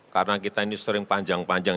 karena kita ini story yang panjang panjang